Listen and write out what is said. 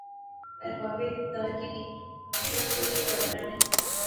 اربابِ اقتدارکی دینی حمیت کو یہ گوارا نہیں